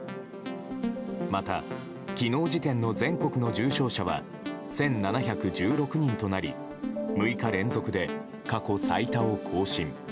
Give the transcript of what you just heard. また、昨日時点の全国の重症者は１７１６人となり６日連続で過去最多を更新。